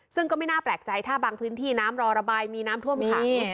ซึ่งก็ไม่น่าแปลกใจถ้าบางพื้นที่น้ำรอระบายมีน้ำท่วมขัง